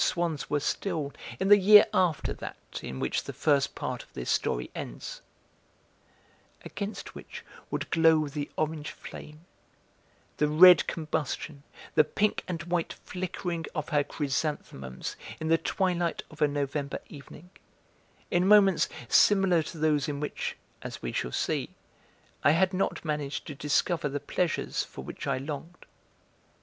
Swann's were still in the year after that in which the first part of this story ends) against which would glow the orange flame, the red combustion, the pink and white flickering of her chrysanthemums in the twilight of a November evening, in moments similar to those in which (as we shall see) I had not managed to discover the pleasures for which I longed.